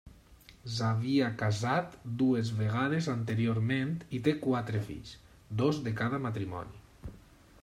S'havia casat dues vegades anteriorment i té quatre fills, dos de cada matrimoni.